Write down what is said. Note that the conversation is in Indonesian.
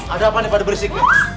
ada apa nih pada berisik